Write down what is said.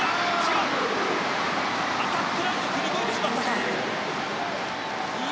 アタックラインを踏み越えてしまったか。